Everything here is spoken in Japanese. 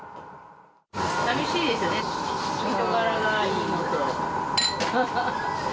さみしいですよね、人柄がいい。